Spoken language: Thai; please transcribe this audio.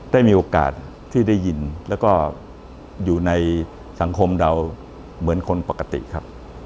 ได้มีโอกาสที่ได้ยินแล้วก็อยู่ในสังคมเราเหมือนคนปกติครับ